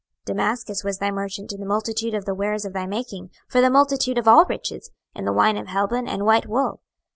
26:027:018 Damascus was thy merchant in the multitude of the wares of thy making, for the multitude of all riches; in the wine of Helbon, and white wool.